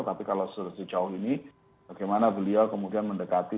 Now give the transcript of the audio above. tapi kalau sejauh ini bagaimana beliau kemudian mendekati